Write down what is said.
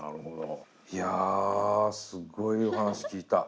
いやすごいお話聞いた。